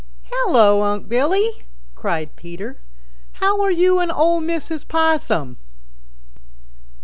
"Hello, Unc' Billy," cried Peter. "How are you and Ol' Mrs. Possum?"